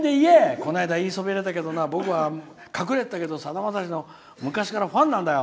こないだ言いそびれたけど僕は隠れてたけどさだまさしの昔からファンなんだよ！